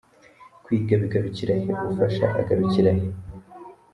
Kwiga bigarukira he? Ufasha agarukira he?.